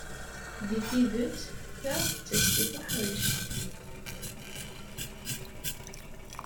Deg tidet, ta d takti tuḥṛict.